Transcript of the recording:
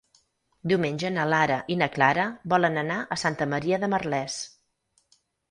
Diumenge na Lara i na Clara volen anar a Santa Maria de Merlès.